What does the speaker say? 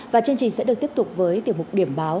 và chương trình sẽ được tiếp tục với tiểu mục điểm báo